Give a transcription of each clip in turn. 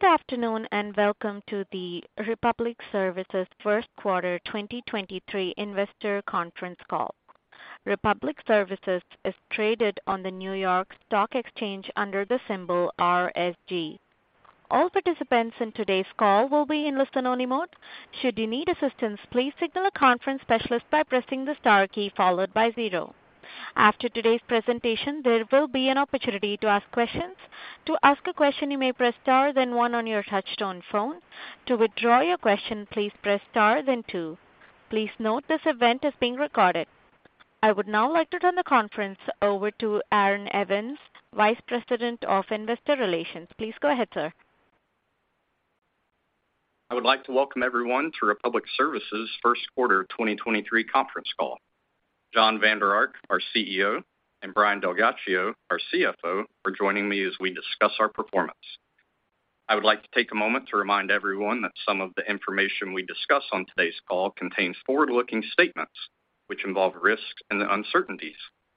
Good afternoon. Welcome to the Republic Services first quarter 2023 investor conference call. Republic Services is traded on the New York Stock Exchange under the symbol RSG. All participants in today's call will be in listen-only mode. Should you need assistance, please signal a conference specialist by pressing the star key followed by zero. After today's presentation, there will be an opportunity to ask questions. To ask a question, you may press star then one on your touch-tone phone. To withdraw your question, please press star then two. Please note this event is being recorded. I would now like to turn the conference over to Aaron Evans, Vice President of Investor Relations. Please go ahead, sir. I would like to welcome everyone to Republic Services 1st quarter 2023 conference call. Jon Vander Ark, our CEO, and Brian DelGhiaccio, our CFO, are joining me as we discuss our performance. I would like to take a moment to remind everyone that some of the information we discuss on today's call contains forward-looking statements, which involve risks and uncertainties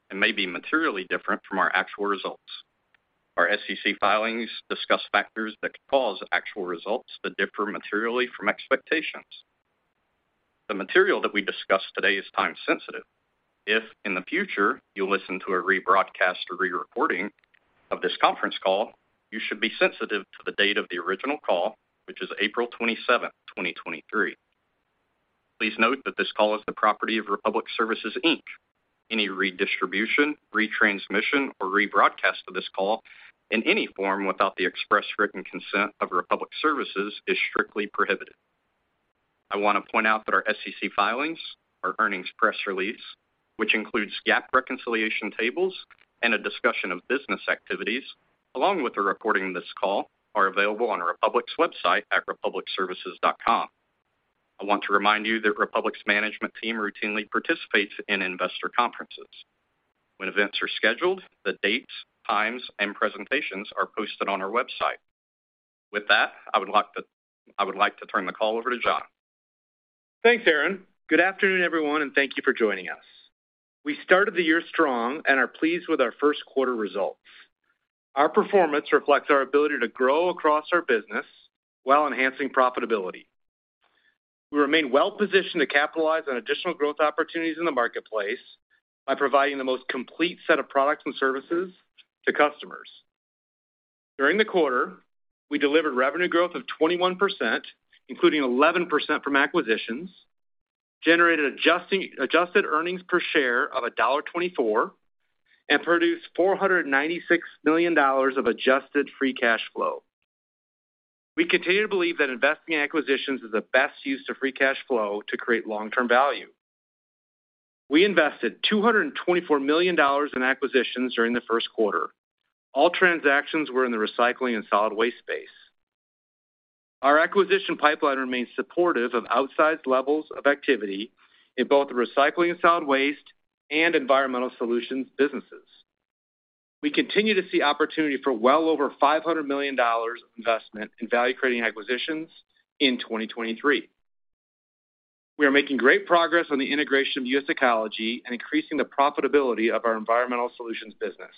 and may be materially different from our actual results. Our SEC filings discuss factors that could cause actual results to differ materially from expectations. The material that we discuss today is time-sensitive. If, in the future, you listen to a rebroadcast or rerecording of this conference call, you should be sensitive to the date of the original call, which is April 27th, 2023. Please note that this call is the property of Republic Services, Inc. Any redistribution, retransmission, or rebroadcast of this call in any form without the express written consent of Republic Services is strictly prohibited. I want to point out that our SEC filings, our earnings press release, which includes GAAP reconciliation tables and a discussion of business activities, along with the recording of this call, are available on Republic's website at republicservices.com. I want to remind you that Republic's management team routinely participates in investor conferences. When events are scheduled, the dates, times, and presentations are posted on our website. With that, I would like to turn the call over to Jon. Thanks, Aaron. Good afternoon, everyone, and thank you for joining us. We started the year strong and are pleased with our first quarter results. Our performance reflects our ability to grow across our business while enhancing profitability. We remain well-positioned to capitalize on additional growth opportunities in the marketplace by providing the most complete set of products and services to customers. During the quarter, we delivered revenue growth of 21%, including 11% from acquisitions, generated adjusted earnings per share of $1.24, and produced $496 million of adjusted free cash flow. We continue to believe that investing acquisitions is the best use of free cash flow to create long-term value. We invested $224 million in acquisitions during the first quarter. All transactions were in the recycling and solid waste space. Our acquisition pipeline remains supportive of outsized levels of activity in both the recycling and solid waste and Environmental Solutions businesses. We continue to see opportunity for well over $500 million of investment in value-creating acquisitions in 2023. We are making great progress on the integration of US Ecology and increasing the profitability of our Environmental Solutions business.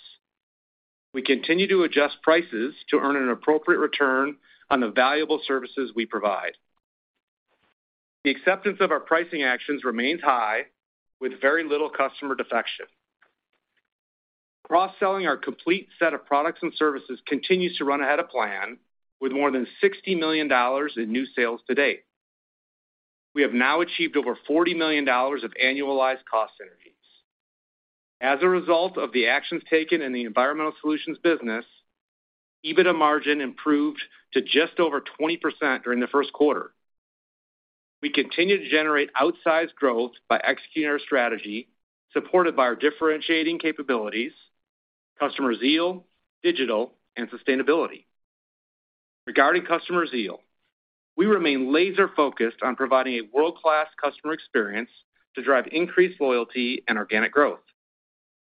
We continue to adjust prices to earn an appropriate return on the valuable services we provide. The acceptance of our pricing actions remains high, with very little customer defection. Cross-selling our complete set of products and services continues to run ahead of plan, with more than $60 million in new sales to date. We have now achieved over $40 million of annualized cost synergies. As a result of the actions taken in the Environmental Solutions business, EBITDA margin improved to just over 20% during the first quarter. We continue to generate outsized growth by executing our strategy, supported by our differentiating capabilities, Customer Zeal, digital, and sustainability. Regarding Customer Zeal, we remain laser-focused on providing a world-class customer experience to drive increased loyalty and organic growth.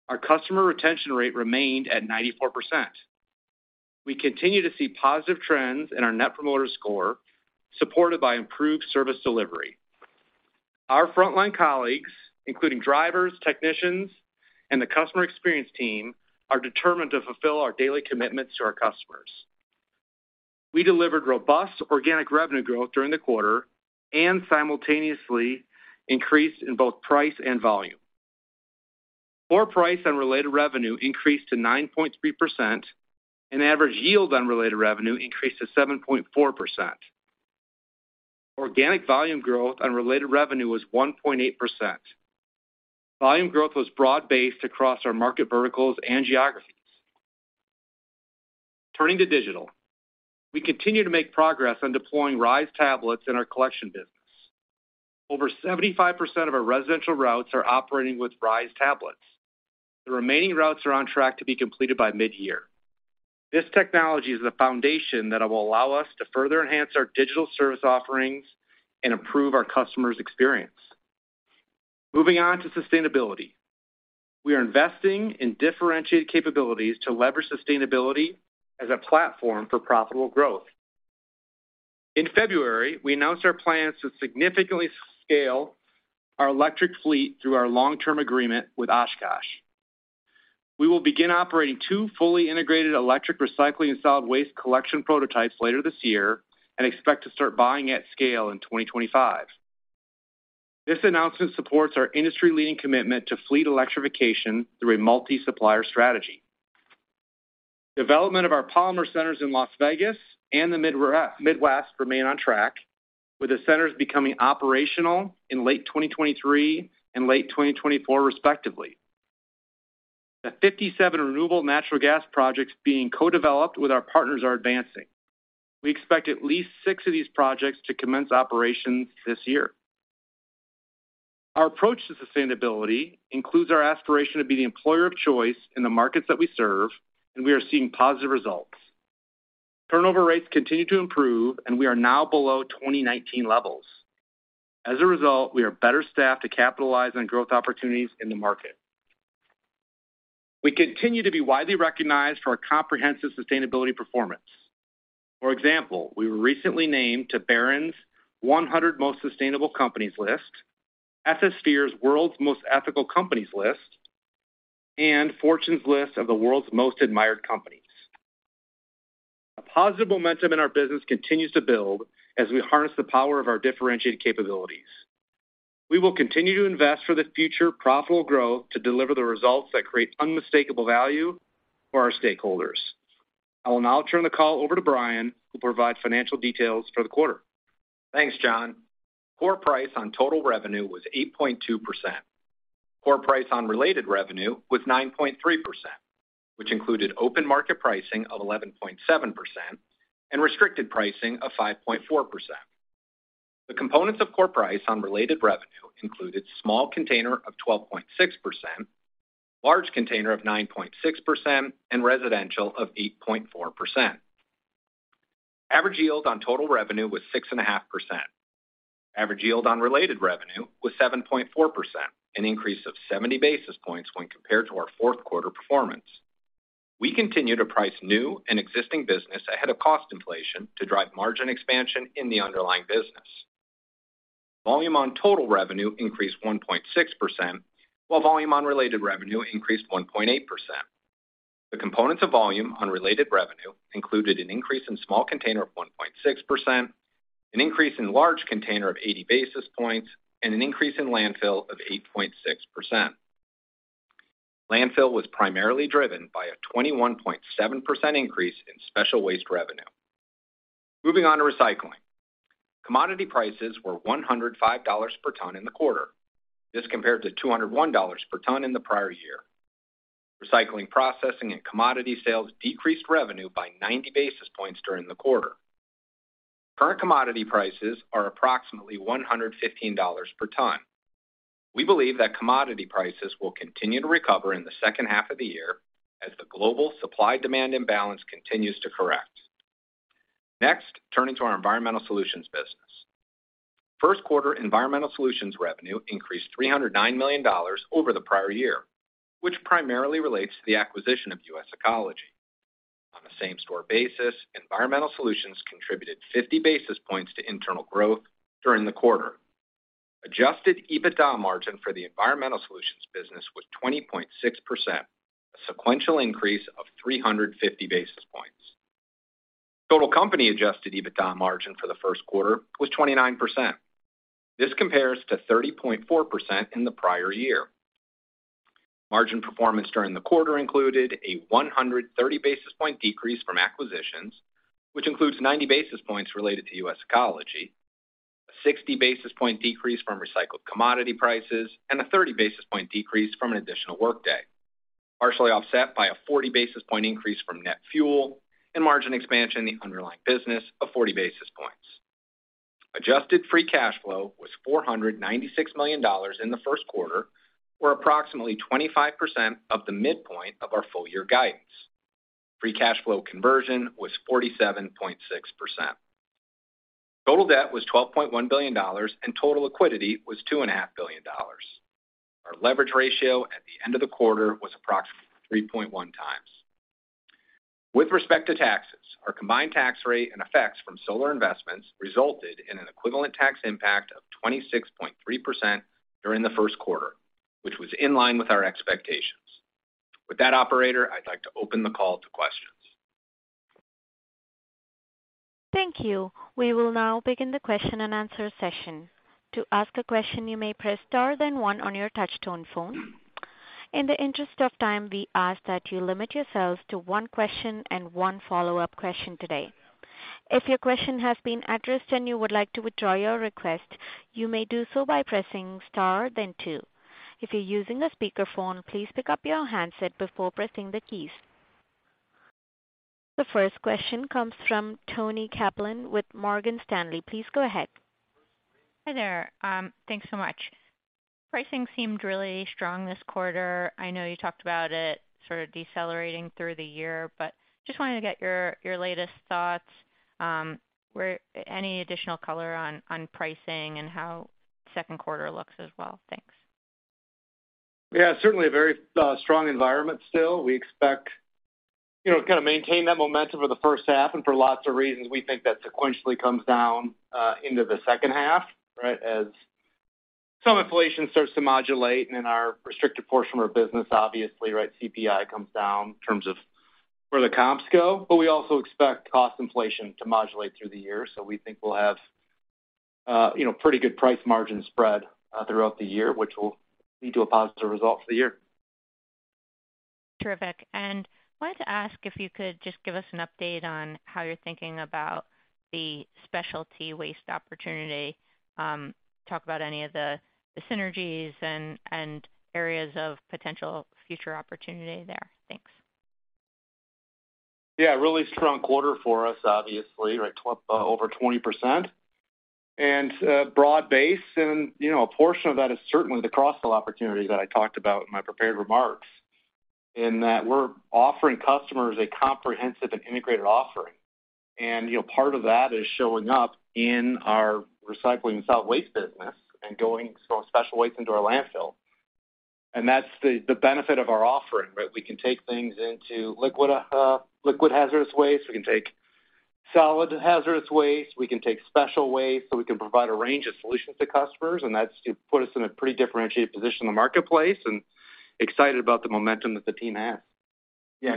Our customer retention rate remained at 94%. We continue to see positive trends in our net promoter score, supported by improved service delivery. Our frontline colleagues, including drivers, technicians, and the customer experience team, are determined to fulfill our daily commitments to our customers. We delivered robust organic revenue growth during the quarter and simultaneously increased in both price and volume. Core price on related revenue increased to 9.3%, and average yield on related revenue increased to 7.4%. Organic volume growth on related revenue was 1.8%. Volume growth was broad-based across our market verticals and geographies. Turning to digital, we continue to make progress on deploying RISE tablets in our collection business. Over 75% of our residential routes are operating with RISE tablets. The remaining routes are on track to be completed by mid-year. This technology is the foundation that will allow us to further enhance our digital service offerings and improve our customers' experience. Moving on to sustainability. We are investing in differentiated capabilities to leverage sustainability as a platform for profitable growth. In February, we announced our plans to significantly scale our electric fleet through our long-term agreement with Oshkosh. We will begin operating two fully integrated electric recycling and solid waste collection prototypes later this year and expect to start buying at scale in 2025. This announcement supports our industry-leading commitment to fleet electrification through a multi-supplier strategy. Development of our Polymer Centers in Las Vegas and the Midwest remain on track, with the centers becoming operational in late 2023 and late 2024, respectively. The 57 renewable natural gas projects being co-developed with our partners are advancing. We expect at least six of these projects to commence operations this year. Our approach to sustainability includes our aspiration to be the employer of choice in the markets that we serve, and we are seeing positive results. Turnover rates continue to improve, and we are now below 2019 levels. As a result, we are better staffed to capitalize on growth opportunities in the market. We continue to be widely recognized for our comprehensive sustainability performance. For example, we were recently named to Barron's 100 Most Sustainable Companies list, Ethisphere's World's Most Ethical Companies list, and Fortune's list of the World's Most Admired Companies. A positive momentum in our business continues to build as we harness the power of our differentiated capabilities. We will continue to invest for the future profitable growth to deliver the results that create unmistakable value for our stakeholders. I will now turn the call over to Brian, who'll provide financial details for the quarter. Thanks, Jon. Core price on total revenue was 8.2%. Core price on related revenue was 9.3%, which included open market pricing of 11.7% and restricted pricing of 5.4%. The components of core price on related revenue included small container of 12.6%, large container of 9.6%, and residential of 8.4%. Average yield on total revenue was 6.5%. Average yield on related revenue was 7.4%, an increase of 70 basis points when compared to our fourth quarter performance. We continue to price new and existing business ahead of cost inflation to drive margin expansion in the underlying business. Volume on total revenue increased 1.6%, while volume on related revenue increased 1.8%. The components of volume on related revenue included an increase in small container of 1.6%, an increase in large container of 80 basis points, and an increase in landfill of 8.6%. Landfill was primarily driven by a 21.7% increase in special waste revenue. Moving on to recycling. Commodity prices were $105 per ton in the quarter. This compared to $201 per ton in the prior year. Recycling, processing, and commodity sales decreased revenue by 90 basis points during the quarter. Current commodity prices are approximately $115 per ton. We believe that commodity prices will continue to recover in the second half of the year as the global supply-demand imbalance continues to correct. Turning to our environmental solutions business. First quarter environmental solutions revenue increased $309 million over the prior year, which primarily relates to the acquisition of US Ecology. On a same-store basis, environmental solutions contributed 50 basis points to internal growth during the quarter. Adjusted EBITDA margin for the Environmental Solutions business was 20.6%, a sequential increase of 350 basis points. Total company adjusted EBITDA margin for the first quarter was 29%. This compares to 30.4% in the prior year. Margin performance during the quarter included a 130 basis point decrease from acquisitions, which includes 90 basis points related to US Ecology, a 60 basis point decrease from recycled commodity prices, and a 30 basis point decrease from an additional workday, partially offset by a 40 basis point increase from net fuel and margin expansion in the underlying business of 40 basis points. Adjusted free cash flow was $496 million in the first quarter, or approximately 25% of the midpoint of our full-year guidance. Free cash flow conversion was 47.6%. Total debt was $12.1 billion. Total liquidity was two and a half billion dollars. Our leverage ratio at the end of the quarter was approximately 3.1 times. With respect to taxes, our combined tax rate and effects from solar investments resulted in an equivalent tax impact of 26.3% during the first quarter, which was in line with our expectations. With that, operator, I'd like to open the call to questions. Thank you. We will now begin the question-and-answer session. To ask a question, you may press star then one on your touchtone phone. In the interest of time, we ask that you limit yourselves to 1 question and onefollow-up question today. If your question has been addressed and you would like to withdraw your request, you may do so by pressing star then two. If you're using a speakerphone, please pick up your handset before pressing the keys. The first question comes from Toni Kaplan with Morgan Stanley. Please go ahead. Hi there. Thanks so much. Pricing seemed really strong this quarter. I know you talked about it sort of decelerating through the year, but just wanted to get your latest thoughts, where any additional color on pricing and how second quarter looks as well? Thanks. Yeah, certainly a very strong environment still. You know, kind of maintain that momentum for the first half. For lots of reasons, we think that sequentially comes down into the second half, right? As some inflation starts to modulate and in our restricted portion of our business, obviously, right, CPI comes down in terms of where the comps go. We also expect cost inflation to modulate through the year. We think we'll have, you know, pretty good price margin spread throughout the year, which will lead to a positive result for the year. Terrific. Wanted to ask if you could just give us an update on how you're thinking about the specialty waste opportunity, talk about any of the synergies and areas of potential future opportunity there. Thanks. Yeah, really strong quarter for us, obviously, right? Over 20% and broad-based. You know, a portion of that is certainly the cross-sell opportunity that I talked about in my prepared remarks in that we're offering customers a comprehensive and integrated offering. You know, part of that is showing up in our recycling and solid waste business and going from special waste into our landfill. That's the benefit of our offering, right? We can take things into liquid hazardous waste. We can take solid hazardous waste. We can take special waste, so we can provide a range of solutions to customers, and that's put us in a pretty differentiated position in the marketplace, and excited about the momentum that the team has. Yeah.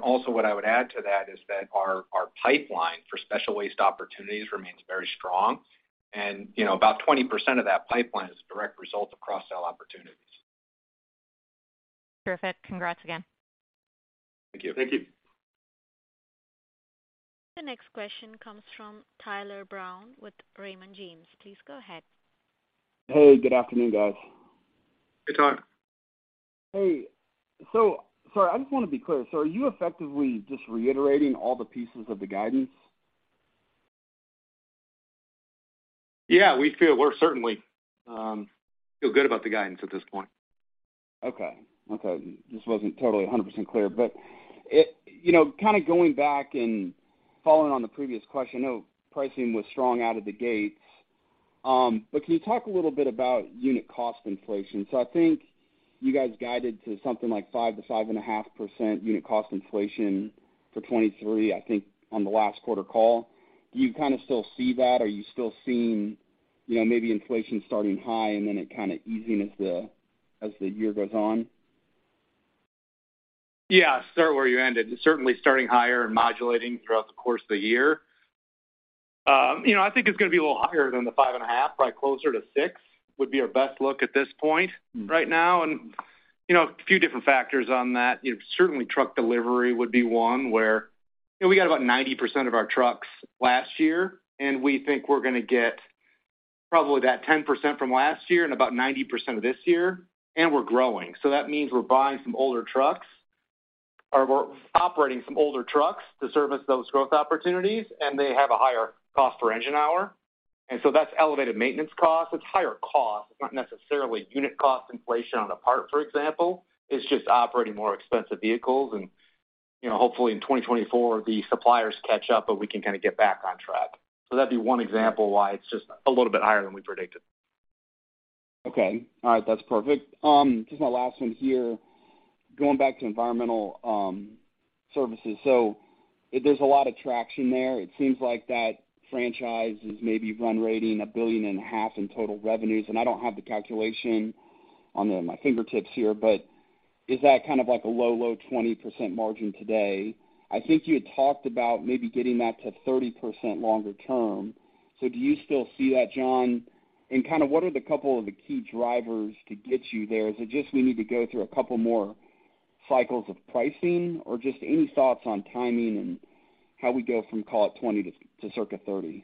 Also what I would add to that is that our pipeline for special waste opportunities remains very strong. You know, about 20% of that pipeline is a direct result of cross-sell opportunities. Terrific. Congrats again. Thank you. Thank you. The next question comes from Tyler Brown with Raymond James. Please go ahead. Hey, good afternoon, guys. Hey, Ty. Hey. Sorry, I just wanna be clear. Are you effectively just reiterating all the pieces of the guidance? Yeah. We're certainly, feel good about the guidance at this point. Okay. Okay. Just wasn't totally 100% clear. You know, kind of going back and following on the previous question, I know pricing was strong out of the gates. Can you talk a little bit about unit cost inflation? I think you guys guided to something like 5%-5.5% unit cost inflation for 2023, I think, on the last quarter call. Do you kinda still see that? Are you still seeing, you know, maybe inflation starting high and then it kinda easing as the, as the year goes on? Yeah. Start where you ended. Certainly starting higher and modulating throughout the course of the year. You know, I think it's gonna be a little higher than the 5.5%, probably closer to 6%, would be our best look at this point right now. You know, a few different factors on that. You know, certainly truck delivery would be one where. You know, we got about 90% of our trucks last year, and we think we're gonna get probably that 10% from last year and about 90% of this year, and we're growing. That means we're buying some older trucks, or we're operating some older trucks to service those growth opportunities, and they have a higher cost per engine hour. That's elevated maintenance costs. It's higher cost. It's not necessarily unit cost inflation on a part, for example. It's just operating more expensive vehicles. You know, hopefully in 2024, the suppliers catch up, but we can kinda get back on track. That'd be one example why it's just a little bit higher than we predicted. Okay. All right. That's perfect. Just my last one here. Going back to Environmental Solutions services. There's a lot of traction there. It seems like that franchise is maybe run rating $1.5 billion in total revenues, and I don't have the calculation on my fingertips here, but is that kind of like a low 20% margin today? I think you had talked about maybe getting that to 30% longer term. Do you still see that, Jon? Kind of what are the couple of the key drivers to get you there? Is it just we need to go through a couple more cycles of pricing? Just any thoughts on timing and how we go from, call it, 20% to circa 30%.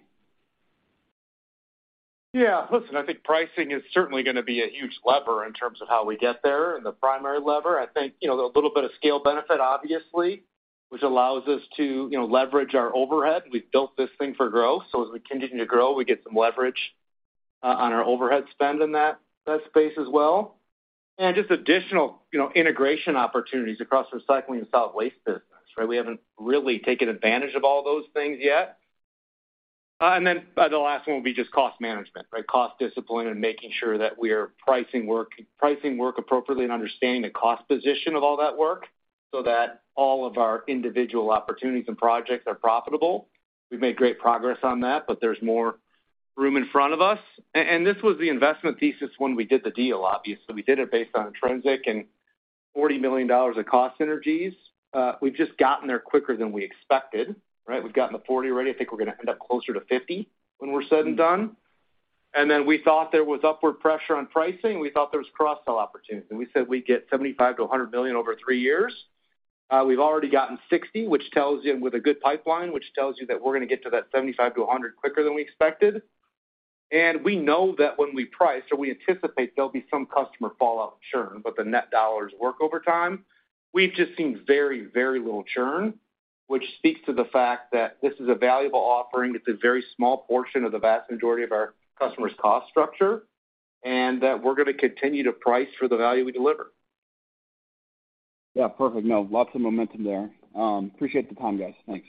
Listen, I think pricing is certainly gonna be a huge lever in terms of how we get there and the primary lever. I think, you know, a little bit of scale benefit obviously, which allows us to, you know, leverage our overhead. We've built this thing for growth, so as we continue to grow, we get some leverage on our overhead spend in that space as well. And just additional, you know, integration opportunities across recycling and solid waste business, right? We haven't really taken advantage of all those things yet. Then the last one will be just cost management, right? Cost discipline and making sure that we are pricing work appropriately and understanding the cost position of all that work so that all of our individual opportunities and projects are profitable. We've made great progress on that, but there's more room in front of us. This was the investment thesis when we did the deal, obviously. We did it based on intrinsic and $40 million of cost synergies. We've just gotten there quicker than we expected, right? We've gotten the $40 million already. I think we're going to end up closer to $50 million when we're said and done. We thought there was upward pressure on pricing. We thought there was cross-sell opportunities, and we said we'd get $75 million-$100 million over three years. We've already gotten 60, which tells you... With a good pipeline, which tells you that we're going to get to that $75 million-$100 million quicker than we expected. We know that when we price or we anticipate there'll be some customer fallout churn, but the net dollars work over time, we've just seen very, very little churn, which speaks to the fact that this is a valuable offering. It's a very small portion of the vast majority of our customers' cost structure, and that we're going to continue to price for the value we deliver. Yeah, perfect. No, lots of momentum there. Appreciate the time, guys. Thanks.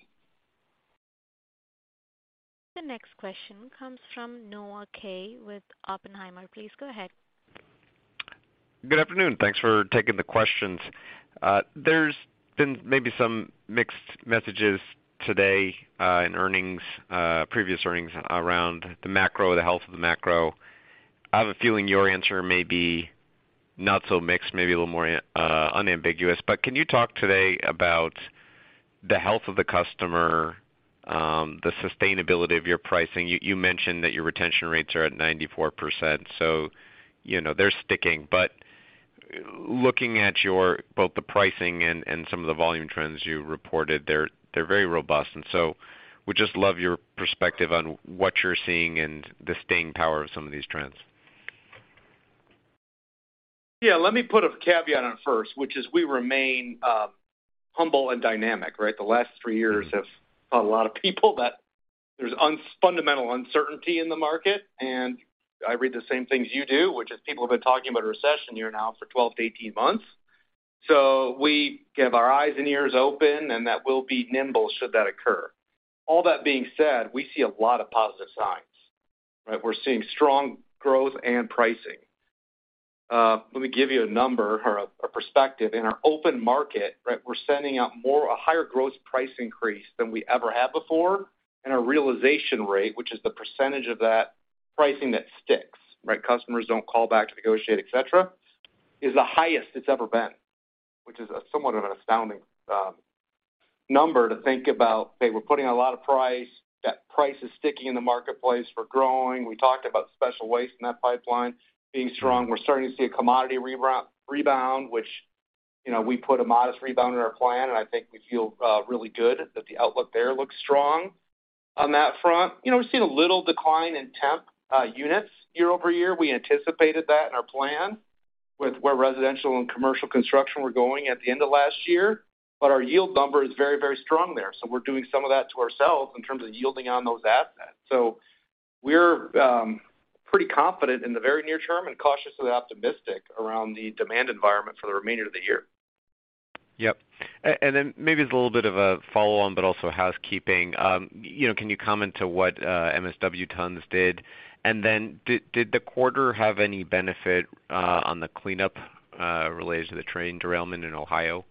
The next question comes from Noah Kaye with Oppenheimer. Please go ahead. Good afternoon. Thanks for taking the questions. There's been maybe some mixed messages today in earnings, previous earnings around the macro, the health of the macro. I have a feeling your answer may be not so mixed, maybe a little more unambiguous. Can you talk today about the health of the customer, the sustainability of your pricing? You mentioned that your retention rates are at 94%, so you know they're sticking. Looking at your both the pricing and some of the volume trends you reported, they're very robust. Would just love your perspective on what you're seeing and the staying power of some of these trends. Yeah, let me put a caveat on it first, which is we remain humble and dynamic, right. The last three years have taught a lot of people that there's fundamental uncertainty in the market. I read the same things you do, which is people have been talking about a recession year now for 12 to 18 months. We have our eyes and ears open, and that we'll be nimble should that occur. All that being said, we see a lot of positive signs, right. We're seeing strong growth and pricing. Let me give you a number or a perspective. In our open market, right, we're sending out a higher growth price increase than we ever have before. Our realization rate, which is the % of that pricing that sticks, right, customers don't call back to negotiate, et cetera, is the highest it's ever been, which is somewhat of an astounding number to think about. Hey, we're putting a lot of price. That price is sticking in the marketplace. We're growing. We talked about special waste in that pipeline being strong. We're starting to see a commodity rebound, which, you know, we put a modest rebound in our plan, and I think we feel really good that the outlook there looks strong on that front. You know, we've seen a little decline in temp units year-over-year. We anticipated that in our plan with where residential and commercial construction were going at the end of last year. Our yield number is very, very strong there, so we're doing some of that to ourselves in terms of yielding on those assets. We're pretty confident in the very near term and cautiously optimistic around the demand environment for the remainder of the year. Yep. Then maybe it's a little bit of a follow-on, but also housekeeping. You know, can you comment to what MSW tons did? Did the quarter have any benefit on the cleanup related to the train derailment in Ohio?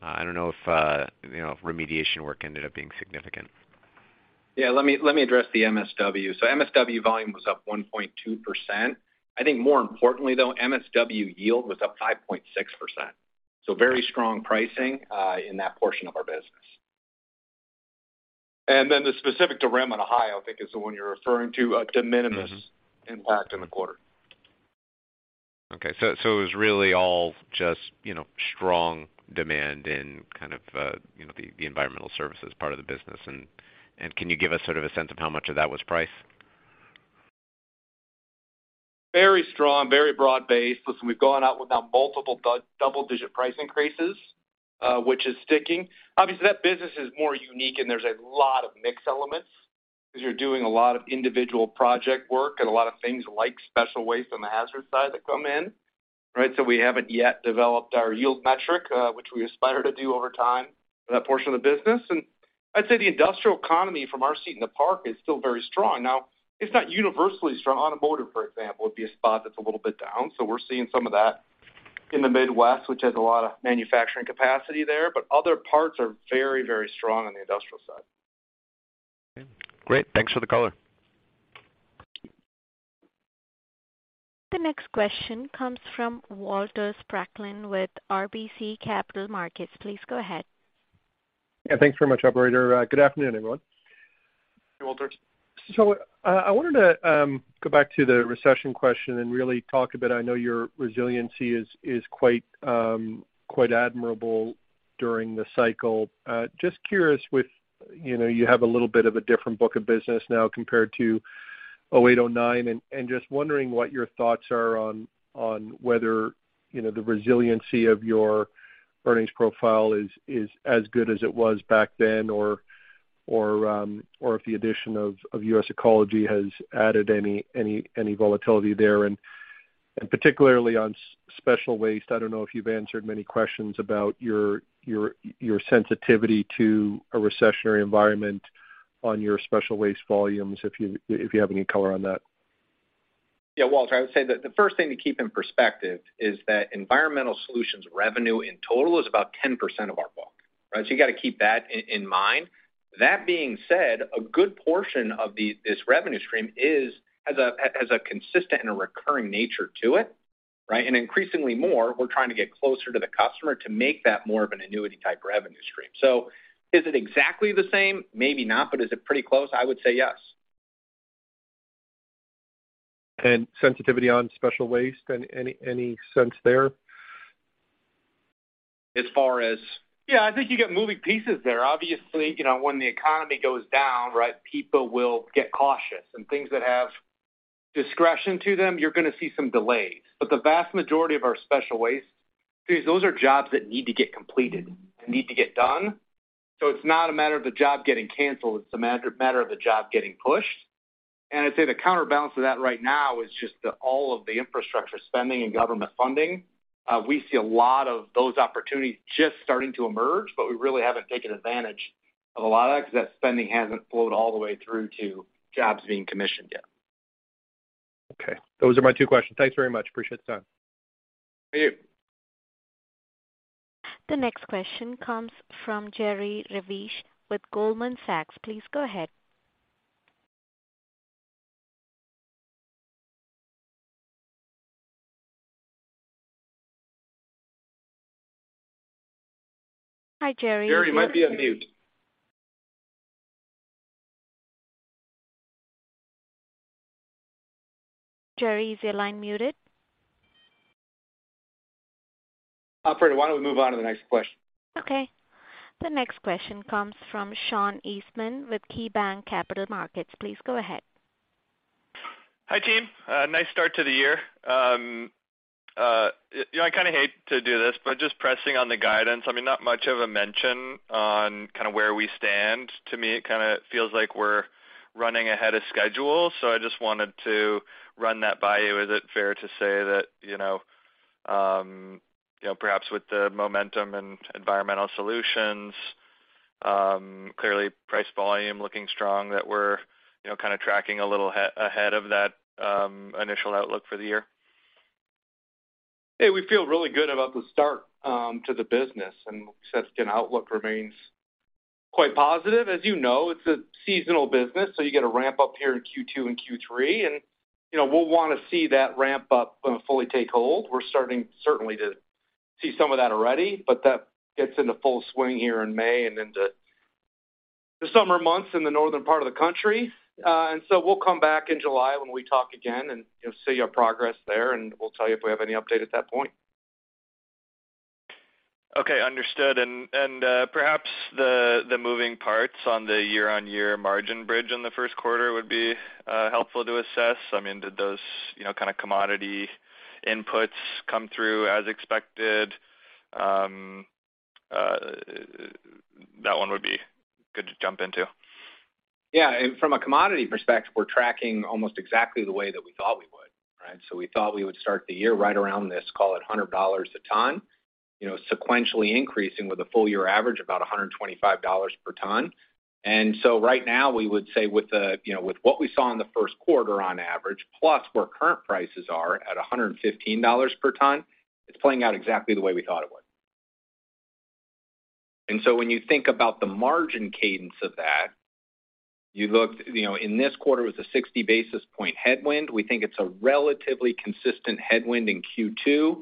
I don't know if, you know, remediation work ended up being significant. Yeah, let me address the MSW. MSW volume was up 1.2%. I think more importantly, though, MSW yield was up 5.6%. Very strong pricing in that portion of our business. The specific derailment in Ohio, I think is the one you're referring to, a de minimis impact in the quarter. Okay. It was really all just, you know, strong demand in kind of, you know, the environmental services part of the business. Can you give us sort of a sense of how much of that was price? Very strong, very broad-based. Listen, we've gone out with now multiple double-digit price increases, which is sticking. Obviously, that business is more unique and there's a lot of mix elements because you're doing a lot of individual project work and a lot of things like special waste on the hazard side that come in, right? We haven't yet developed our yield metric, which we aspire to do over time for that portion of the business. I'd say the industrial economy from our seat in the park is still very strong. Now, it's not universally strong. Automotive, for example, would be a spot that's a little bit down. We're seeing some of that in the Midwest, which has a lot of manufacturing capacity there. Other parts are very, very strong on the industrial side. Okay, great. Thanks for the color. The next question comes from Walter Spracklin with RBC Capital Markets. Please go ahead. Yeah, thanks very much, operator. Good afternoon, everyone. Hey, Walter. I wanted to go back to the recession question and really talk a bit. I know your resiliency is quite admirable during the cycle. Just curious with, you know, you have a little bit of a different book of business now compared to 2008, 2009, and just wondering what your thoughts are on whether, you know, the resiliency of your earnings profile is as good as it was back then or if the addition of US Ecology has added any volatility there. Particularly on special waste, I don't know if you've answered many questions about your sensitivity to a recessionary environment on your special waste volumes, if you have any color on that. Yeah. Walter, I would say that the first thing to keep in perspective is that Environmental Solutions revenue in total is about 10% of our book. Right? You got to keep that in mind. That being said, a good portion of this revenue stream is, has a consistent and a recurring nature to it, right? Increasingly more, we're trying to get closer to the customer to make that more of an annuity type revenue stream. Is it exactly the same? Maybe not. Is it pretty close? I would say yes. Sensitivity on special waste, any sense there? Yeah, I think you get moving pieces there. Obviously, you know, when the economy goes down, right, people will get cautious, and things that have discretion to them, you're gonna see some delays. The vast majority of our special waste, those are jobs that need to get completed and need to get done. It's not a matter of the job getting canceled, it's a matter of the job getting pushed. I'd say the counterbalance of that right now is just the all of the infrastructure spending and government funding. We see a lot of those opportunities just starting to emerge, but we really haven't taken advantage of a lot of that because that spending hasn't flowed all the way through to jobs being commissioned yet. Okay. Those are my two questions. Thanks very much. Appreciate the time. Thank you. The next question comes from Jerry Revich with Goldman Sachs. Please go ahead. Hi, Jerry. Jerry, you might be on mute. Jerry, is your line muted? Operator, why don't we move on to the next question? Okay. The next question comes from Sean Eastman with KeyBanc Capital Markets. Please go ahead. Hi, team. Nice start to the year. you know, I kind of hate to do this, but just pressing on the guidance, I mean, not much of a mention on kind of where we stand. To me, it kind of feels like we're running ahead of schedule, so I just wanted to run that by you. Is it fair to say that, you know, you know, perhaps with the momentum in Environmental Solutions, clearly price volume looking strong that we're, you know, kind of tracking a little ahead of that, initial outlook for the year? Hey, we feel really good about the start to the business. We said, you know, outlook remains quite positive. As you know, it's a seasonal business. You get a ramp up here in Q2 and Q3. You know, we'll want to see that ramp up fully take hold. We're starting certainly to see some of that already. That gets into full swing here in May and into the summer months in the northern part of the country. We'll come back in July when we talk again and, you know, see our progress there. We'll tell you if we have any update at that point. Okay. Understood. Perhaps the moving parts on the year-on-year margin bridge in the first quarter would be helpful to assess. I mean, did those, you know, kind of commodity inputs come through as expected? That one would be good to jump into. Yeah. From a commodity perspective, we're tracking almost exactly the way that we thought we would, right? We thought we would start the year right around this, call it $100 a ton, you know, sequentially increasing with a full-year average about $125 per ton. Right now we would say with the, you know, with what we saw in the first quarter on average, plus where current prices are at $115 per ton, it's playing out exactly the way we thought it would. When you think about the margin cadence of that, you look, you know, in this quarter it was a 60 basis point headwind. We think it's a relatively consistent headwind in Q2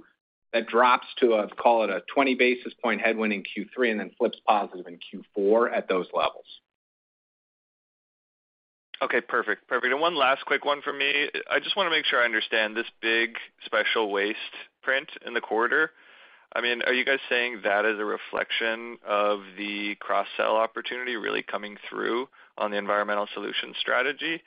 that drops to a, call it a 20 basis point headwind in Q3 and then flips positive in Q4 at those levels. Okay. Perfect. Perfect. One last quick one for me. I just want to make sure I understand this big special waste print in the quarter. I mean, are you guys saying that is a reflection of the cross-sell opportunity really coming through on the Environmental Solution strategy?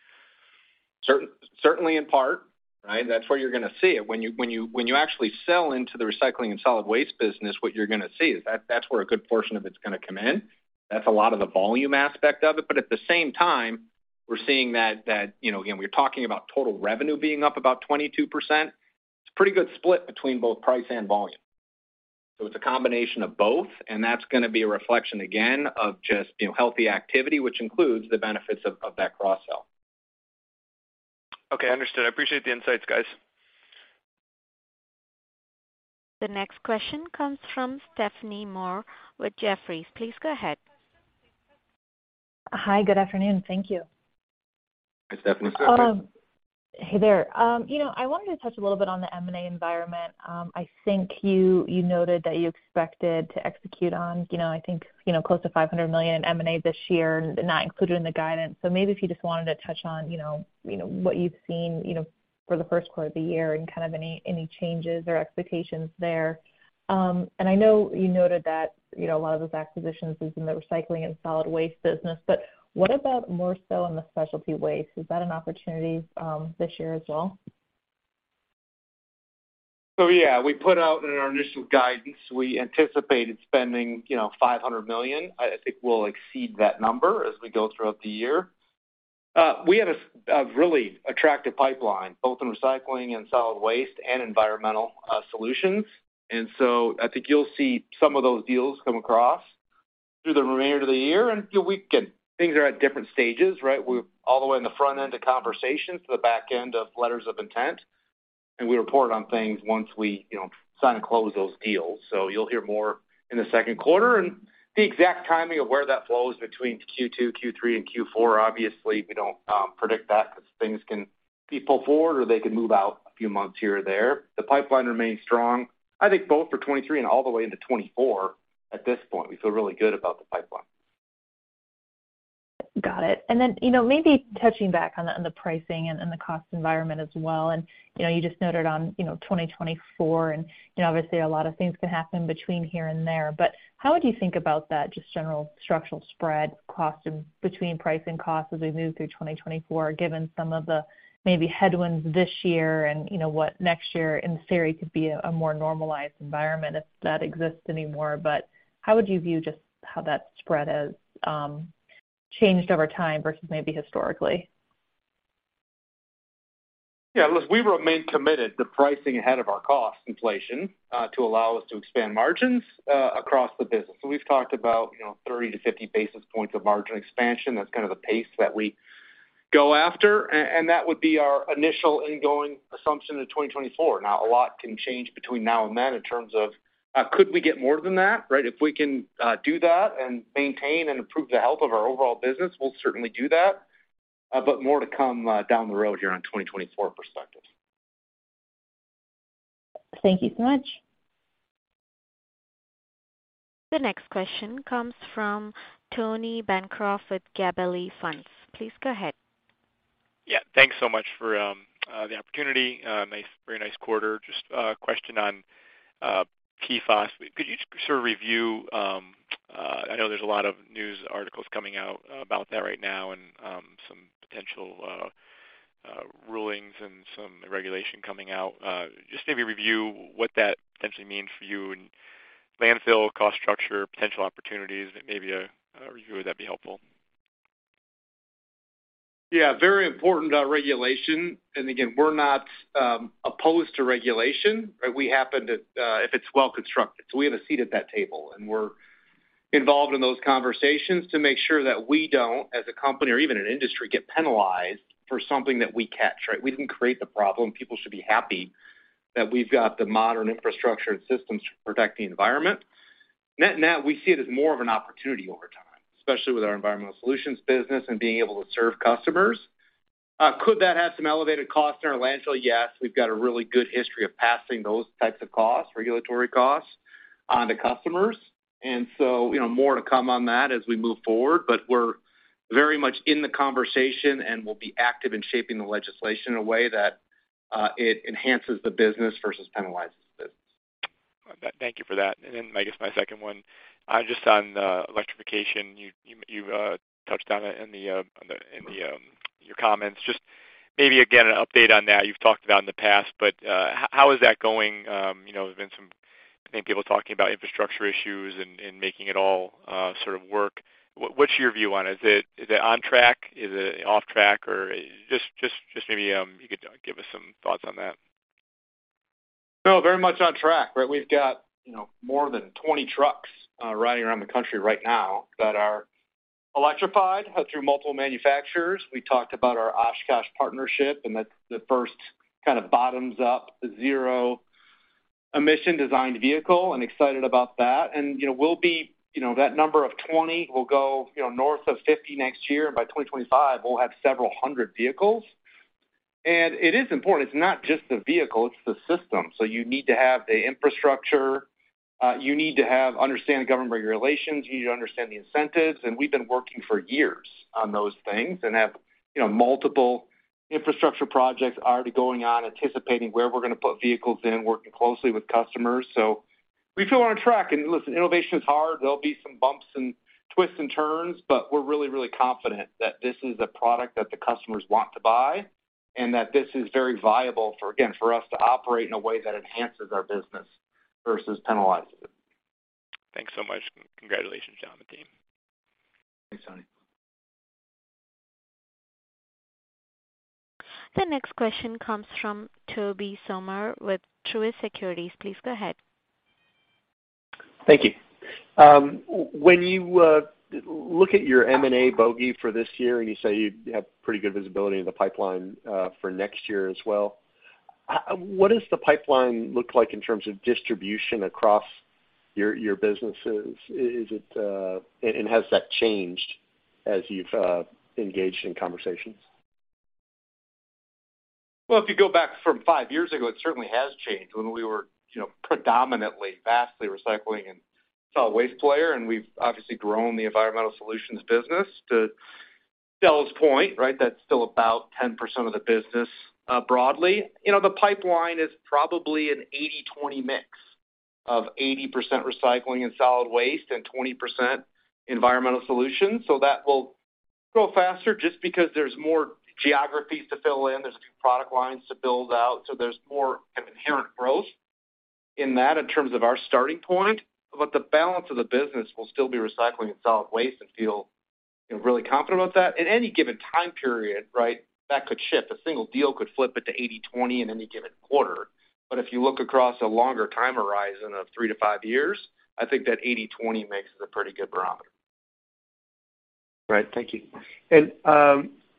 Certainly in part, right? That's where you're gonna see it. When you actually sell into the recycling and solid waste business, what you're gonna see is that's where a good portion of it's gonna come in. That's a lot of the volume aspect of it. At the same time, we're seeing that, you know, again, we're talking about total revenue being up about 22%. It's a pretty good split between both price and volume. It's a combination of both, and that's gonna be a reflection again of just, you know, healthy activity, which includes the benefits of that cross-sell. Okay, understood. I appreciate the insights, guys. The next question comes from Stephanie Moore with Jefferies. Please go ahead. Hi. Good afternoon. Thank you. Hi, Stephanie. Hey there. You know, I wanted to touch a little bit on the M&A environment. I think you noted that you expected to execute on, you know, I think, you know, close to $500 million in M&A this year, not included in the guidance. Maybe if you just wanted to touch on, you know, you know, what you've seen, you know, for the first quarter of the year and kind of any changes or expectations there. I know you noted that, you know, a lot of those acquisitions is in the recycling and solid waste business, but what about more so in the specialty waste? Is that an opportunity, this year as well? Yeah, we put out in our initial guidance, we anticipated spending, you know, $500 million. I think we'll exceed that number as we go throughout the year. We have a really attractive pipeline, both in recycling and solid waste and Environmental Solutions. I think you'll see some of those deals come across through the remainder of the year. You know, we again, things are at different stages, right? We're all the way in the front end of conversations to the back end of letters of intent, and we report on things once we, you know, sign and close those deals. You'll hear more in the second quarter. The exact timing of where that flows between Q2, Q3, and Q4, obviously, we don't predict that because things can be pulled forward or they can move out a few months here or there. The pipeline remains strong, I think both for 2023 and all the way into 2024 at this point. We feel really good about the pipeline. Got it. You know, maybe touching back on the pricing and the cost environment as well. You know, you just noted on, you know, 2024 and, you know, obviously a lot of things can happen between here and there, but how would you think about that just general structural spread cost of between price and cost as we move through 2024, given some of the maybe headwinds this year and you know what next year in theory could be a more normalized environment if that exists anymore. How would you view just how that spread has changed over time versus maybe historically? Yeah, listen, we remain committed to pricing ahead of our cost inflation, to allow us to expand margins, across the business. We've talked about, you know, 30 to 50 basis points of margin expansion. That's kind of the pace that we go after, and that would be our initial ingoing assumption in 2024. A lot can change between now and then in terms of, could we get more than that, right? If we can, do that and maintain and improve the health of our overall business, we'll certainly do that. More to come, down the road here on 2024 perspectives. Thank you so much. The next question comes from Tony Bancroft with Gabelli Funds. Please go ahead. Yeah, thanks so much for the opportunity. Very nice quarter. Just a question on PFAS. Could you just sort of review, I know there's a lot of news articles coming out about that right now and some potential rulings and some regulation coming out. Just maybe review what that potentially means for you and landfill cost structure, potential opportunities, maybe a review of that would be helpful. Yeah, very important regulation. Again, we're not, opposed to regulation, right? We happen to, if it's well constructed. We have a seat at that table, and we're involved in those conversations to make sure that we don't, as a company or even an industry, get penalized for something that we catch, right? We didn't create the problem. People should be happy that we've got the modern infrastructure and systems to protect the environment. Net net, we see it as more of an opportunity over time, especially with our Environmental Solutions business and being able to serve customers. Could that have some elevated costs in our landfill? Yes. We've got a really good history of passing those types of costs, regulatory costs onto customers. You know, more to come on that as we move forward. We're very much in the conversation, and we'll be active in shaping the legislation in a way that it enhances the business versus penalizes the business. Thank you for that. I guess my second one, just on electrification. You touched on it in your comments. Just maybe again, an update on that. You've talked about in the past, how is that going? You know, there's been some, I think people talking about infrastructure issues and making it all sort of work. What's your view on it? Is it on track? Is it off track? Just maybe you could give us some thoughts on that. Very much on track, right? We've got, you know, more than 20 trucks riding around the country right now that are electrified through multiple manufacturers. We talked about our Oshkosh Corporation partnership, that's the first kind of bottoms-up zero emission designed vehicle and excited about that. You know, we'll be, you know, that number of 20 will go, you know, north of 50 next year. By 2025, we'll have several hundred vehicles. It is important, it's not just the vehicle, it's the system. You need to have the infrastructure, you need to have understanding of government regulations, you need to understand the incentives. We've been working for years on those things and have, you know, multiple infrastructure projects already going on, anticipating where we're gonna put vehicles in, working closely with customers. We feel we're on track. Listen, innovation is hard. There'll be some bumps and twists and turns, but we're really, really confident that this is a product that the customers want to buy and that this is very viable for, again, for us to operate in a way that enhances our business versus penalizes it. Thanks so much. Congratulations, Jon and team. Thanks, Tony. The next question comes from Tobey Sommer with Truist Securities. Please go ahead. Thank you. When you look at your M&A bogey for this year and you say you have pretty good visibility in the pipeline for next year as well, what does the pipeline look like in terms of distribution across your businesses? Is it? And has that changed as you've engaged in conversations? If you go back from five years ago, it certainly has changed when we were, you know, predominantly vastly recycling and solid waste player, and we've obviously grown the Environmental Solutions business. To Del's point, right, that's still about 10% of the business, broadly. You know, the pipeline is probably an 80-20 mix of 80% recycling and solid waste and 20% Environmental Solutions. That will grow faster just because there's more geographies to fill in, there's new product lines to build out, so there's more kind of inherent growth in that in terms of our starting point. The balance of the business will still be recycling and solid waste and feel, you know, really confident about that. In any given time period, right, that could shift. A single deal could flip it to 80-20 in any given quarter. If you look across a longer time horizon of three to five years, I think that 80-20 mix is a pretty good barometer. Right. Thank you.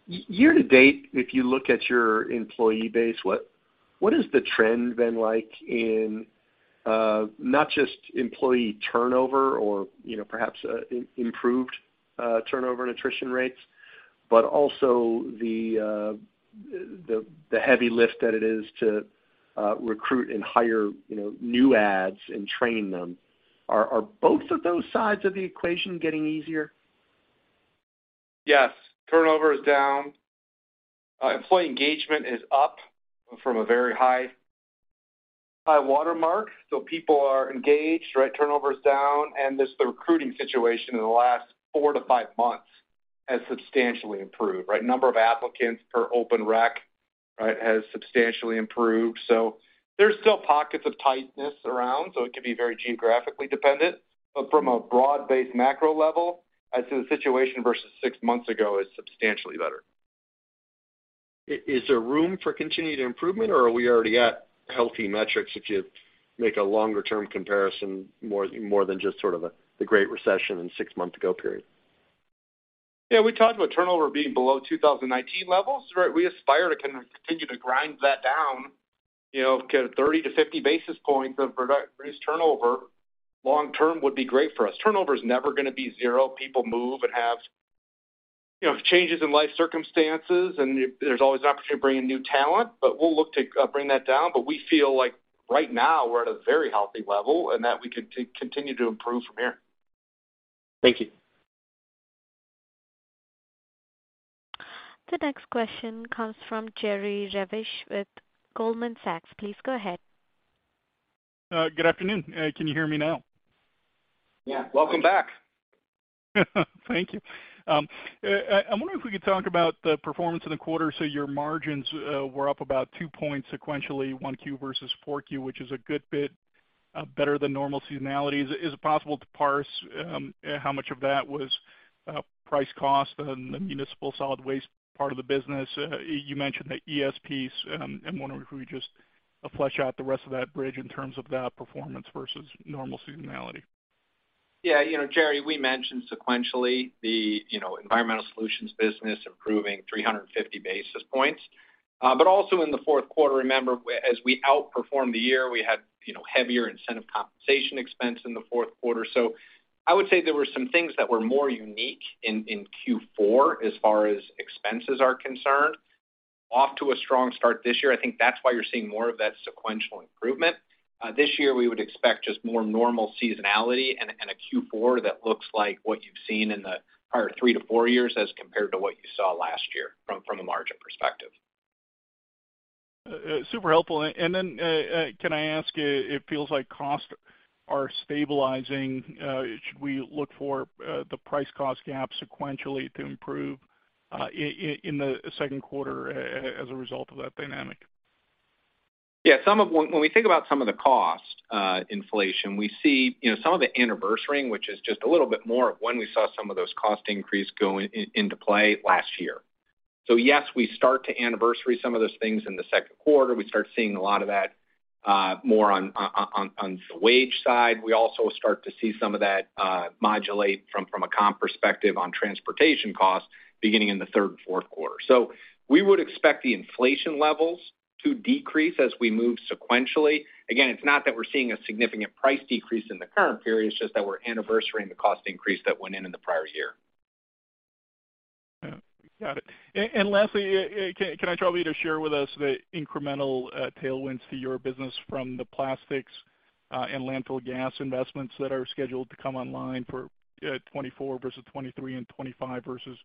Year to date, if you look at your employee base, what has the trend been like in, not just employee turnover or, you know, perhaps, improved, turnover and attrition rates, but also the heavy lift that it is to recruit and hire, you know, new ads and train them? Are both of those sides of the equation getting easier? Yes, turnover is down. employee engagement is up from a very high by watermark. People are engaged, right? Turnover is down, just the recruiting situation in the last four to five months has substantially improved, right? Number of applicants per open rec, right, has substantially improved. There's still pockets of tightness around, so it can be very geographically dependent. From a broad-based macro level, I'd say the situation versus six months ago is substantially better. Is there room for continued improvement or are we already at healthy metrics if you make a longer-term comparison more than just sort of the great recession and six-month ago period? We talked about turnover being below 2019 levels, right? We aspire to continue to grind that down, you know, get a 30 to 50 basis points of product reduced turnover long term would be great for us. Turnover is never gonna be zero. People move and have, you know, changes in life circumstances, there's always an opportunity to bring in new talent, we'll look to bring that down. We feel like right now we're at a very healthy level and that we can continue to improve from here. Thank you. The next question comes from Jerry Revich with Goldman Sachs. Please go ahead. Good afternoon. Can you hear me now? Yeah. Welcome back. Thank you. I wonder if we could talk about the performance in the quarter. Your margins were up about two points sequentially, 1Q versus 4Q, which is a good bit better than normal seasonalities. Is it possible to parse how much of that was price cost on the municipal solid waste part of the business? You mentioned the ESPs. I'm wondering if we just flesh out the rest of that bridge in terms of that performance versus normal seasonality. Yeah. You know, Jerry, we mentioned sequentially the, you know, Environmental Solutions business improving 350 basis points. Also in the fourth quarter, remember, as we outperformed the year, we had, you know, heavier incentive compensation expense in the fourth quarter. I would say there were some things that were more unique in Q4 as far as expenses are concerned. Off to a strong start this year, I think that's why you're seeing more of that sequential improvement. This year, we would expect just more normal seasonality and a, and a Q4 that looks like what you've seen in the prior 3 to 4 years as compared to what you saw last year from a margin perspective. Super helpful. Can I ask, it feels like costs are stabilizing. Should we look for the price cost gap sequentially to improve in the second quarter as a result of that dynamic? When we think about some of the cost inflation, we see, you know, some of it anniversarying, which is just a little bit more of when we saw some of those cost increase go into play last year. Yes, we start to anniversary some of those things in the second quarter. We start seeing a lot of that more on the wage side. We also start to see some of that modulate from a comp perspective on transportation costs beginning in the third and fourth quarter. We would expect the inflation levels to decrease as we move sequentially. Again, it's not that we're seeing a significant price decrease in the current period, it's just that we're anniversarying the cost increase that went in in the prior year. Yeah. Got it. Lastly, can I trouble you to share with us the incremental tailwinds to your business from the plastics and landfill gas investments that are scheduled to come online for 2024 versus 2023 and 2025 versus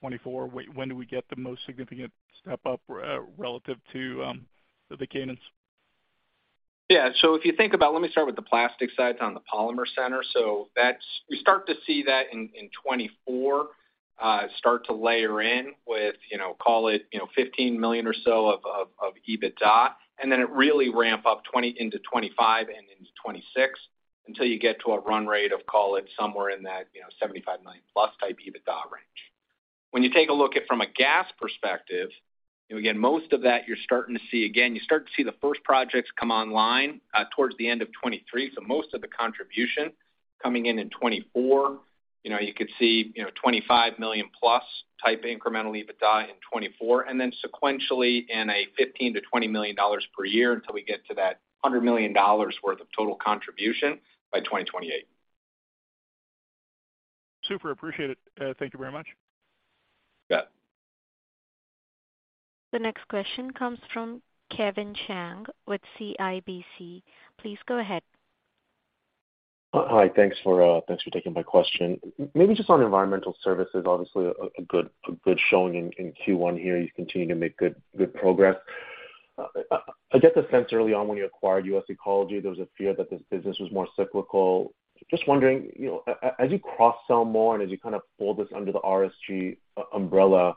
2024? When do we get the most significant step up relative to the Canons? Let me start with the plastic side on the Polymer Centers. We start to see that in 2024, start to layer in with, you know, call it, $15 million or so of EBITDA, it really ramp up into 2025 and into 2026 until you get to a run rate of, call it somewhere in that, you know, $75 million-plus type EBITDA range. When you take a look at from a gas perspective, most of that you're starting to see the first projects come online towards the end of 2023, most of the contribution coming in in 2024. You know, you could see, you know, $25 million-plus type incremental EBITDA in 2024, then sequentially in a $15 million-$20 million per year until we get to that $100 million worth of total contribution by 2028. Super appreciate it. Thank you very much. Got it. The next question comes from Kevin Chiang with CIBC. Please go ahead. Hi. Thanks for, thanks for taking my question. Maybe just on Environmental Solutions, obviously a good showing in Q1 here. You continue to make good progress. I get the sense early on when you acquired US Ecology, there was a fear that this business was more cyclical. Just wondering, you know, as you cross-sell more and as you kind of fold this under the RSG umbrella,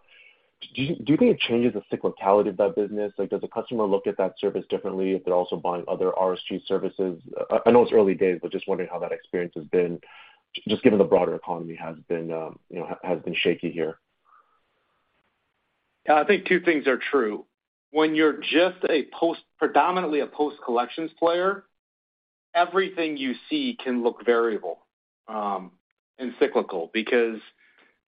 do you think it changes the cyclicality of that business? Like, does the customer look at that service differently if they're also buying other RSG services? I know it's early days, but just wondering how that experience has been, just given the broader economy has been, you know, shaky here. I think two things are true. When you're just a predominantly a post-collections player, everything you see can look variable, and cyclical because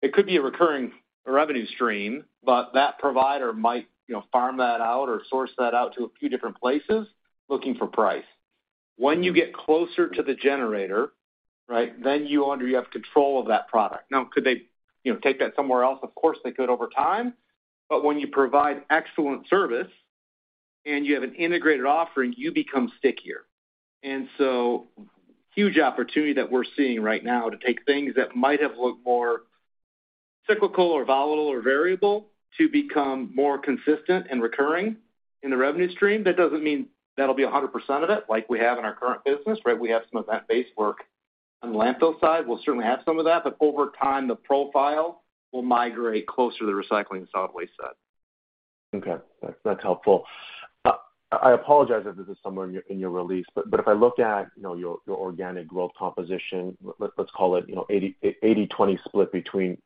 it could be a recurring revenue stream, but that provider might, you know, farm that out or source that out to a few different places looking for price. When you get closer to the generator, right, then you have control of that product. Now, could they, you know, take that somewhere else? Of course, they could over time. When you provide excellent service and you have an integrated offering, you become stickier. Huge opportunity that we're seeing right now to take things that might have looked more cyclical or volatile or variable to become more consistent and recurring in the revenue stream. That doesn't mean that'll be 100% of it like we have in our current business, right? We have some event-based work on the landfill side. We'll certainly have some of that, but over time, the profile will migrate closer to the recycling solid waste side. Okay. That's, that's helpful. I apologize if this is somewhere in your, in your release, but if I look at, you know, your organic growth composition, let's call it, you know, 80, 80-20 split between,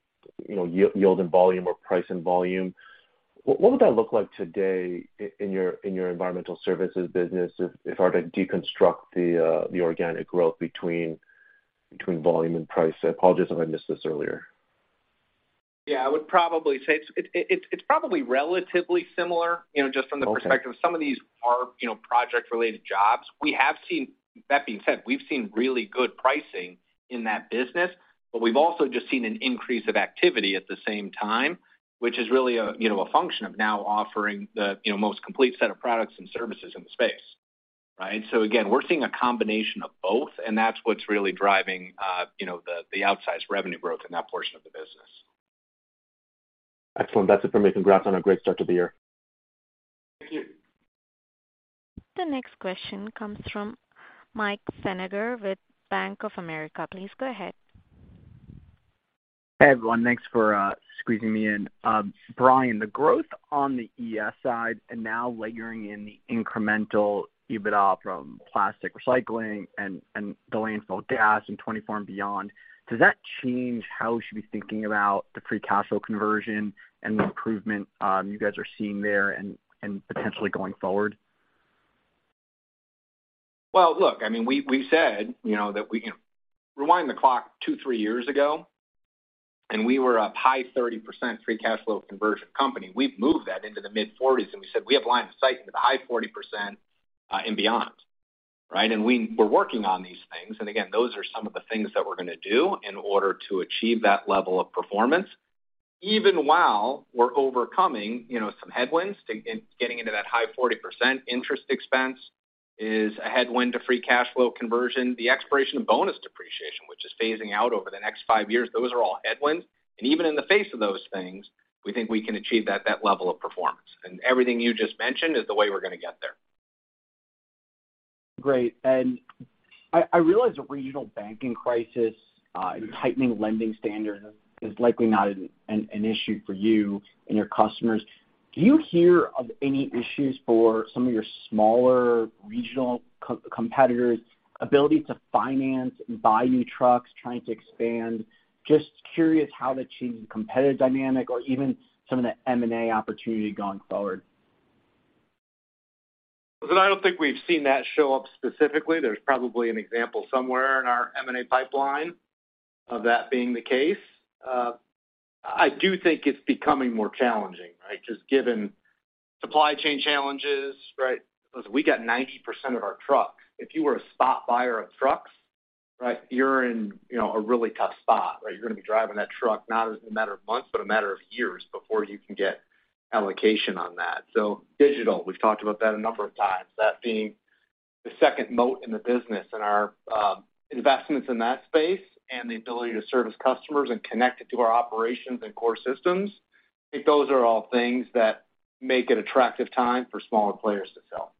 you know, yield and volume or price and volume, what would that look like today in your, in your environmental services business if I were to deconstruct the organic growth between volume and price? I apologize if I missed this earlier. Yeah, I would probably say it's probably relatively similar, you know, just from the perspective of some of these are, you know, project related jobs. We have seen. That being said, we've seen really good pricing in that business, but we've also just seen an increase of activity at the same time, which is really a, you know, a function of now offering the, you know, most complete set of products and services in the space, right. Again, we're seeing a combination of both, and that's what's really driving, you know, the outsized revenue growth in that portion of the business. Excellent. That's it for me. Congrats on a great start to the year. Thank you. The next question comes from Michael Feniger with Bank of America. Please go ahead. Hey, everyone. Thanks for squeezing me in. Brian, the growth on the ES side and now layering in the incremental EBITDA from plastic recycling and the landfill gas in 2024 and beyond, does that change how we should be thinking about the free cash flow conversion and the improvement you guys are seeing there and potentially going forward? Well, look, I mean, we said, you know, that we, you know, rewind the clock two, three years ago, and we were a high 30% free cash flow conversion company. We've moved that into the mid-40s, and we said we have line of sight into the high 40% and beyond, right? We're working on these things, and again, those are some of the things that we're gonna do in order to achieve that level of performance, even while we're overcoming, you know, some headwinds in getting into that high 40% interest expense is a headwind to free cash flow conversion. The expiration of bonus depreciation, which is phasing out over the next five years, those are all headwinds. Even in the face of those things, we think we can achieve that level of performance. Everything you just mentioned is the way we're gonna get there. Great. I realize a regional banking crisis, tightening lending standards is likely not an issue for you and your customers. Do you hear of any issues for some of your smaller regional co-competitors' ability to finance and buy new trucks trying to expand? Just curious how that changes the competitive dynamic or even some of the M&A opportunity going forward. I don't think we've seen that show up specifically. There's probably an example somewhere in our M&A pipeline of that being the case. I do think it's becoming more challenging, right? Just given supply chain challenges, right? We got 90% of our trucks. If you were a spot buyer of trucks, right, you're in, you know, a really tough spot, right? You're gonna be driving that truck not as a matter of months, but a matter of years before you can get allocation on that. Digital, we've talked about that a number of times. That being the second moat in the business and our investments in that space and the ability to service customers and connect it to our operations and core systems. I think those are all things that make it attractive time for smaller players to sell.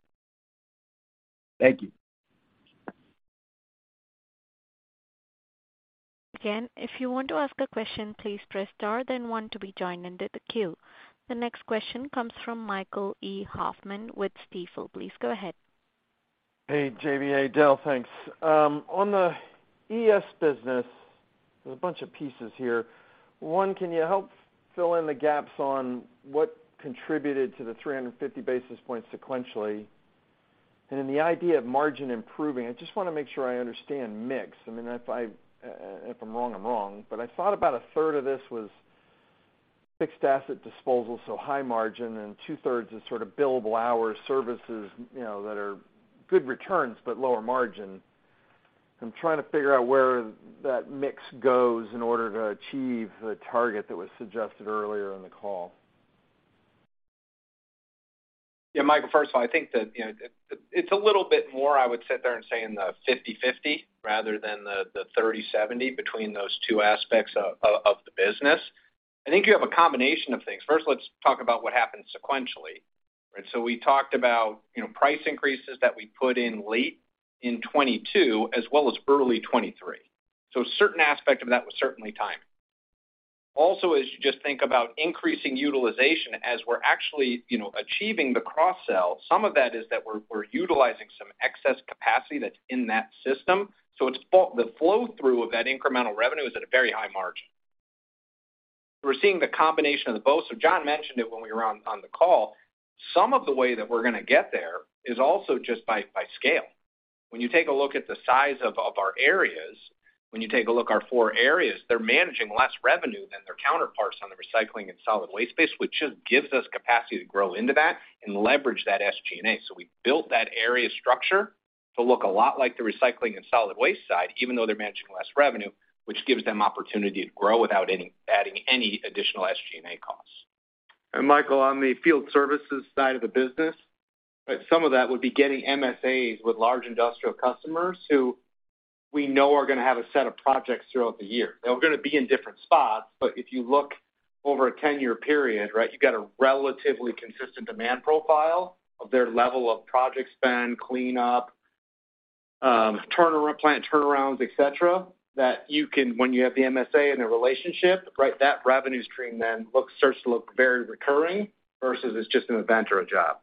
Thank you. If you want to ask a question, please press star then 1 to be joined into the queue. The next question comes from Michael E. Hoffman with Stifel. Please go ahead. Hey, JV, hey, Del. Thanks. On the ES business, there's a bunch of pieces here. One, can you help fill in the gaps on what contributed to the 350 basis points sequentially? The idea of margin improving, I just wanna make sure I understand mix. If I, if I'm wrong, I'm wrong. I thought about a third of this was fixed asset disposal, so high margin, and two-thirds is sort of billable hour services, that are good returns, but lower margin. I'm trying to figure out where that mix goes in order to achieve the target that was suggested earlier in the call. Michael, first of all, I think that, you know, it's a little bit more, I would sit there and say in the 50/50 rather than the 30/70 between those two aspects of the business. I think you have a combination of things. First, let's talk about what happened sequentially. Right? We talked about, you know, price increases that we put in late in 2022 as well as early 2023. Certain aspect of that was certainly time. Also, as you just think about increasing utilization, as we're actually, you know, achieving the cross sell, some of that is that we're utilizing some excess capacity that's in that system. It's the flow through of that incremental revenue is at a very high margin. We're seeing the combination of the both. Jon mentioned it when we were on the call. Some of the way that we're gonna get there is also just by scale. When you take a look at the size of our areas, when you take a look at our four areas, they're managing less revenue than their counterparts on the recycling and solid waste base, which just gives us capacity to grow into that and leverage that SG&A. We built that area structure to look a lot like the recycling and solid waste side, even though they're managing less revenue, which gives them opportunity to grow without any, adding any additional SG&A costs. Michael, on the field services side of the business, some of that would be getting MSAs with large industrial customers who we know are gonna have a set of projects throughout the year. They're gonna be in different spots, but if you look over a 10-year period, right, you've got a relatively consistent demand profile of their level of project spend, cleanup. plant turnarounds, et cetera, that you can, when you have the MSA and the relationship, right, that revenue stream then starts to look very recurring versus it's just an event or a job.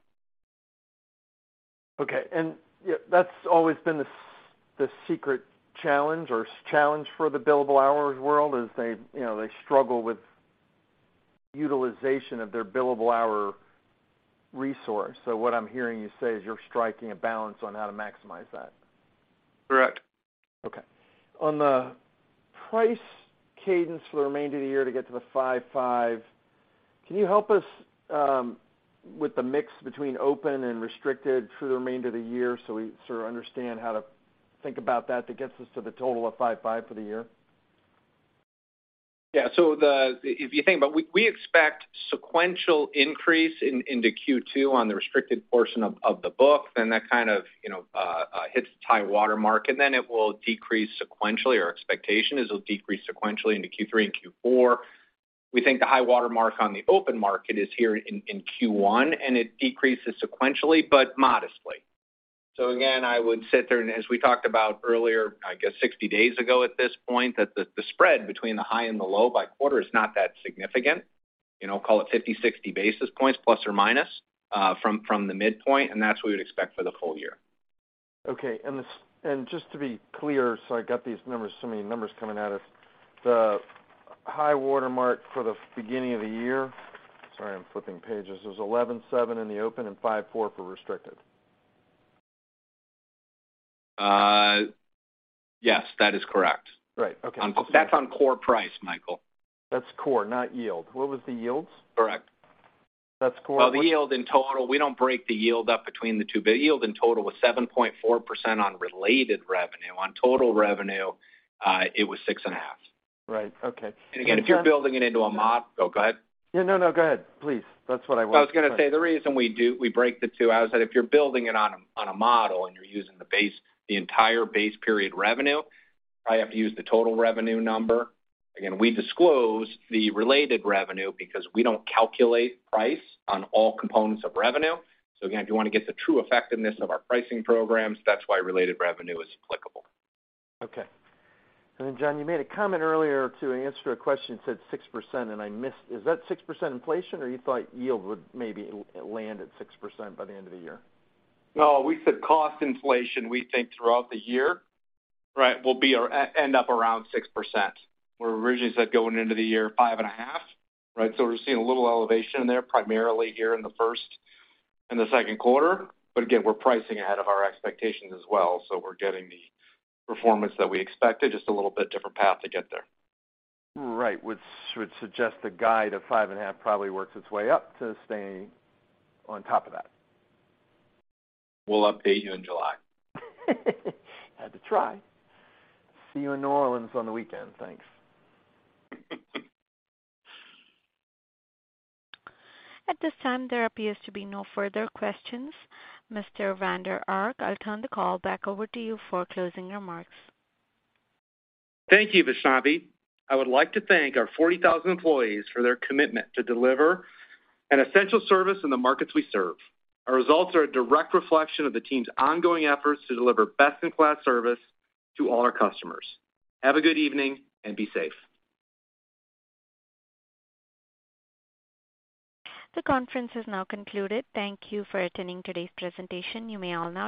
Okay. Yeah, that's always been the secret challenge or challenge for the billable hours world, is they, you know, they struggle with utilization of their billable hour resource. What I'm hearing you say is you're striking a balance on how to maximize that. Correct. On the price cadence for the remainder of the year to get to the 5.5%, can you help us with the mix between Open and Restricted through the remainder of the year so we sort of understand how to think about that that gets us to the total of 5.5% for the year? Yeah. If you think about it, we expect sequential increase into Q2 on the restricted portion of the book. That kind of, you know, hits the high water mark, and then it will decrease sequentially or expectation is it'll decrease sequentially into Q3 and Q4. We think the high water mark on the open market is here in Q1, and it decreases sequentially, but modestly. Again, I would sit there, and as we talked about earlier, I guess 60 days ago at this point, that the spread between the high and the low by quarter is not that significant. You know, call it 50, 60 basis points ± from the midpoint, and that's what we would expect for the full year. Okay. Just to be clear, I got these numbers, many numbers coming at us. The high water mark for the beginning of the year, sorry, I'm flipping pages. It was 11.7% in the open and 5.4% for restricted. Yes, that is correct. Right. Okay. That's on core price, Michael. That's core, not yield. What was the yields? Correct. That's core- The yield in total, we don't break the yield up between the two. The yield in total was 7.4% on related revenue. On total revenue, it was 6.5%. Right. Okay. again, if you're building it into a. Oh, go ahead. Yeah. No, no, go ahead, please. That's what I want. I was gonna say, the reason we break the two out is that if you're building it on a, on a model, and you're using the base, the entire base period revenue, I have used the total revenue number. Again, we disclose the related revenue because we don't calculate price on all components of revenue. Again, if you wanna get the true effectiveness of our pricing programs, that's why related revenue is applicable. Okay. Jon, you made a comment earlier to answer a question, you said 6%, and I missed. Is that 6% inflation or you thought yield would maybe land at 6% by the end of the year? We said cost inflation. We think throughout the year. We'll end up around 6%. We originally said going into the year, 5.5%. We're seeing a little elevation there, primarily here in the first and the second quarter. Again, we're pricing ahead of our expectations as well, we're getting the performance that we expected, just a little bit different path to get there. Right. Which would suggest the guide of five and a half probably works its way up to staying on top of that. We'll update you in July. Had to try. See you in New Orleans on the weekend. Thanks. At this time, there appears to be no further questions. Mr. Vander Ark, I'll turn the call back over to you for closing remarks. Thank you, Vaishnavi. I would like to thank our 40,000 employees for their commitment to deliver an essential service in the markets we serve. Our results are a direct reflection of the team's ongoing efforts to deliver best-in-class service to all our customers. Have a good evening and be safe. The conference is now concluded. Thank you for attending today's presentation. You may all now disconnect.